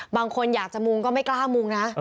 บางคนอยากจะมุงก็ไม่กล้ามุงนะ